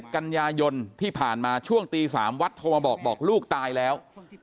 กันยายนที่ผ่านมาช่วงตี๓วัดโทรมาบอกบอกลูกตายแล้ว